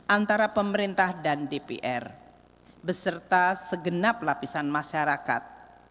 antara pemerintah dan dpr beserta segenap lapisan masyarakat